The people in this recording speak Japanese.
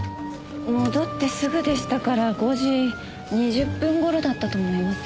戻ってすぐでしたから５時２０分頃だったと思います。